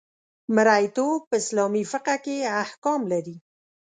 مرییتوب په اسلامي فقه کې احکام لري.